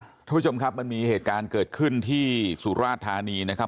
คุณผู้ชมครับมันมีเหตุการณ์เกิดขึ้นที่สุราธานีนะครับ